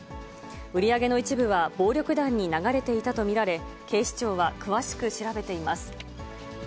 売り上げの一部は、暴力団に流れていたと見られ、警視庁は詳しく調べています。